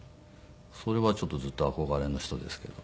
それはちょっとずっと憧れの人ですけど。